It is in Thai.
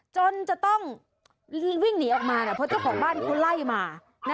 จนจะต้องวิ่งหนีออกมาเพราะเจ้าของบ้านเขาไล่มา